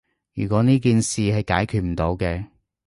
如果呢件事係解決唔到嘅